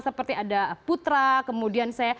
seperti ada putra kemudian saya